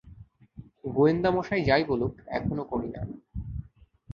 গোয়েন্দা মশাই যাই বলুক, এখনও করি না!